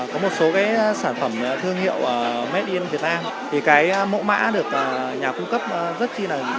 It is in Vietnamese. có một số sản phẩm thương hiệu made in việt nam